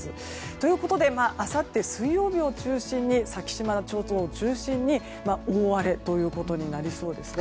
ということであさって水曜日を中心に先島諸島を中心に大荒れということになりそうですね。